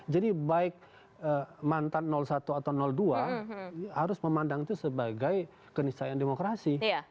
jadi baik mantan satu atau dua harus memandang itu sebagai keniscahayaan demokrasi